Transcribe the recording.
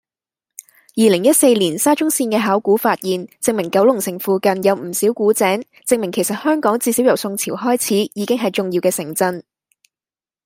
二零一四年沙中線嘅考古發現，證明九龍城附近有唔少古井，證明其實香港至少由宋朝開始已經係重要嘅城鎮